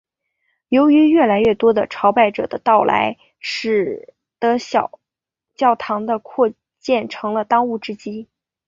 由于越来越多的朝拜者的到来使的小教堂的扩建成了当务之急。